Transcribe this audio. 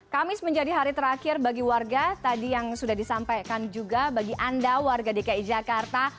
kamis menjadi hari terakhir bagi warga tadi yang sudah disampaikan juga bagi anda warga dki jakarta